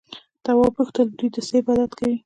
تواب وپوښتل دوی د څه عبادت کوي؟